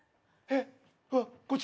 えっ？